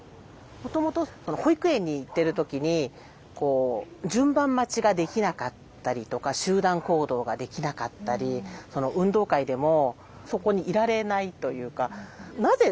もともと保育園に行ってる時に順番待ちができなかったりとか集団行動ができなかったり運動会でもそこにいられないというかなぜ